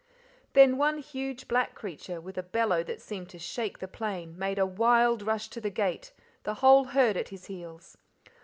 Then one huge black creature, with a bellow that seemed to shake the plain, made a wild rush to the gate, the whole herd at his heels.